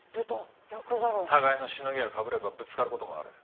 互いのシノギがかぶればぶつかる事もある。